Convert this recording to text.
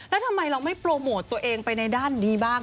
แล้วทำไมเราไม่โปรโมทตัวเองไปในด้านนี้บ้าง